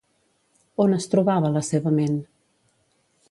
On es trobava la seva ment?